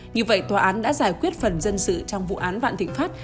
như vậy tòa án đã giải quyết phần dân sự trong vụ án vạn thịnh pháp